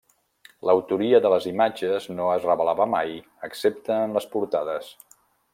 L'autoria de les imatges no es revelava mai excepte en les portades.